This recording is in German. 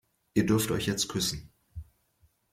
Ihr dürft euch jetzt küssen.